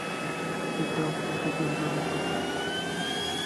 কিন্তু, আপনার শব্দ শোনার ব্যাপারটা আমার বিশ্বাস হয়নি!